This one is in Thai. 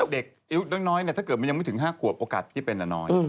เด็กอายุน้อยถ้าเกิดมันยังไม่ถึง๕ขวบโอกาสที่เป็นน้อย